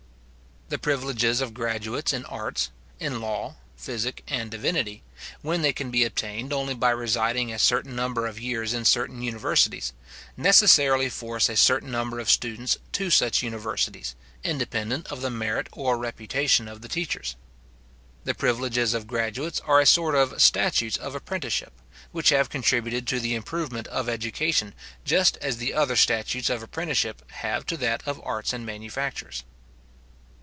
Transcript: The privileges of graduates in arts, in law, physic, and divinity, when they can be obtained only by residing a certain number of years in certain universities, necessarily force a certain number of students to such universities, independent of the merit or reputation of the teachers. The privileges of graduates are a sort of statutes of apprenticeship, which have contributed to the improvement of education just as the other statutes of apprenticeship have to that of arts and manufactures.